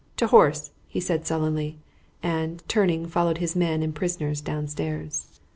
"To horse!" he said sullenly, and, turning, followed his men and prisoners downstairs.